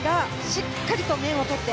しっかりと面をとって。